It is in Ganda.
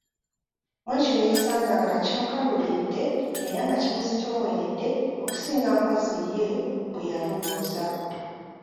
Mu ekyo yeesanga nga kimukaluubiridde era nga kimuzitooweredde okusinga mpozzi ye bwe yalowooza.